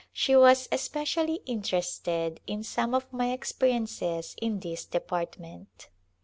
She was especially interested in some of my experiences in this department.